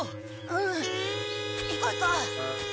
うん行こう行こう。